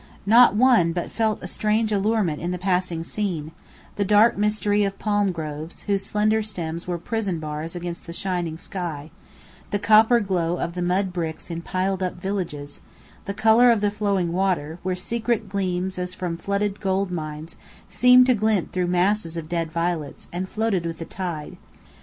Not one but felt a strange allurement in the passing scene; the dark mystery of palm groves, whose slender stems were prison bars against the shining sky; the copper glow of the mud bricks in piled up villages; the colour of the flowing water, where secret gleams as from flooded gold mines seemed to glint through masses of dead violets, that floated with the tide.